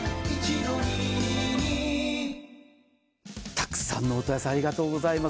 たくさんのお問い合わせありがとうございます。